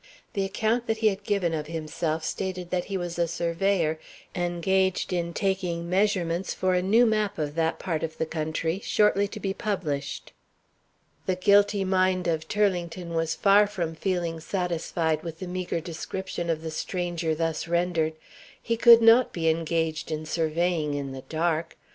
The account he had given of himself stated that he was a surveyor, engaged in taking measurements for a new map of that part of the country, shortly to be published. The guilty mind of Turlington was far from feeling satisfied with the meager description of the stranger thus rendered. He could not be engaged in surveying in the dark.